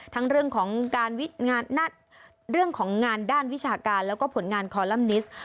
ทั้งเรื่องของการเรื่องของงานด้านวิชาการแล้วก็ผลงานคอลัมนิสต์